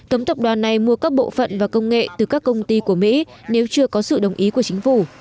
cấm tập đoàn này mua các bộ phận và công nghệ từ các công ty của mỹ nếu chưa có sự đồng ý của chính phủ